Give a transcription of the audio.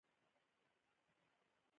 زما هیواد زما مینه.